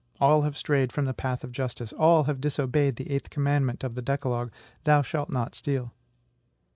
All have strayed from the path of justice; all have disobeyed the eighth commandment of the Decalogue: "Thou shalt not steal."